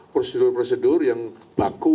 prosedur prosedur yang baku